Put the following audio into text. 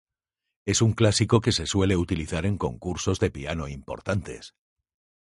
Es un clásico que se suele utilizar en concursos de piano importantes.